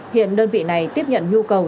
hiện đơn vị này tiếp nhận nhu cầu